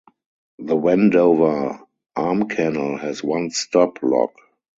The Wendover Arm Canal has one stop lock.